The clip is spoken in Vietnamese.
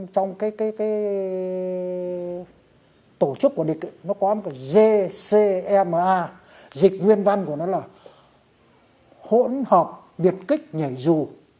trong cái tổ chức của địch nó có một gma dịch nguyên văn của nó là hỗn hợp biệt kích nhảy dù